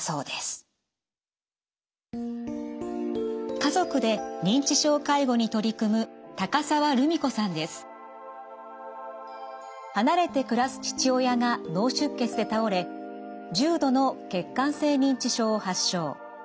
家族で認知症介護に取り組む離れて暮らす父親が脳出血で倒れ重度の血管性認知症を発症。